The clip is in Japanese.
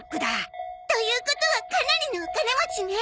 ということはかなりのお金持ちね。